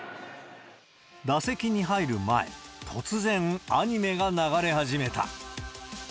打席に入る前、突然、アニメが流れ始めた。